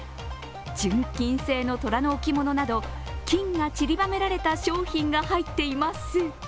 純金製の虎の置物など、金が散りばめられた商品が入っています。